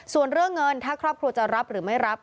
ส่วนเรื่องเงินถ้าครอบครัวจะรับหรือไม่รับ